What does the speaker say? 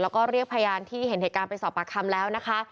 แล้วก็เรียกพยานที่เห็นเหตุการณ์ไปสอบปากคำแล้วนะคะ